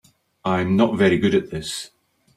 I'm not very good at this.